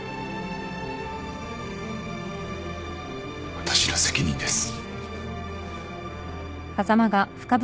私の責任です。